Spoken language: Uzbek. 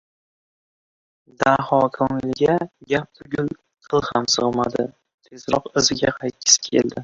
Daho ko‘ngliga gap tugul, qil sig‘madi. Tezroq iziga qaytgisi keldi.